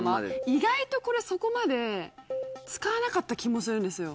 意外とこれそこまで使わなかった気もするんですよ。